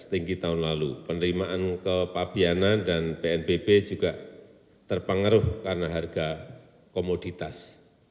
setinggi tahun lalu penerimaan ke pabianan dan pnbb juga terpengaruh karena harga komoditas